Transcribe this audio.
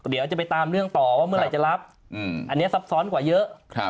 เดี๋ยวจะไปตามเรื่องต่อว่าเมื่อไหร่จะรับอันนี้ซับซ้อนกว่าเยอะ